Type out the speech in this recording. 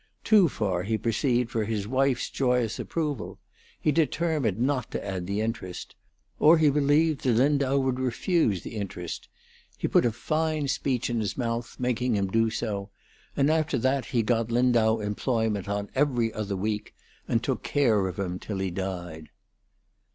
Too far, he perceived, for his wife's joyous approval; he determined not to add the interest; or he believed that Lindau would refuse the interest; he put a fine speech in his mouth, making him do so; and after that he got Lindau employment on 'Every Other Week,' and took care of him till he died.